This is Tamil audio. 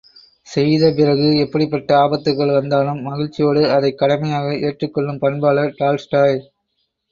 செய்தபிறகு எப்படிப்பட்ட ஆபத்துக்கள் வந்தாலும் மகிழ்ச்சியோடு அதைக் கடமையாக ஏற்றுக் கொள்ளும் பண்பாளர் டால்ஸ்டாய்.